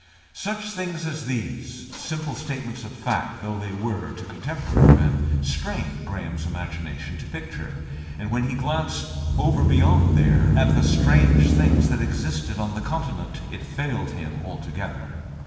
Such things as these, simple statements of fact though they were to contemporary men, strained Graham's imagination to picture. And when he glanced "over beyond there" at the strange things that existed on the Continent, it failed him altogether.